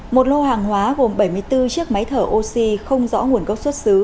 một lô hàng hóa gồm bảy mươi bốn chiếc máy thở oxy không rõ nguồn gốc xuất xứ